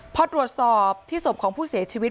พอตรวจสอบที่ศพของผู้เสียชีวิต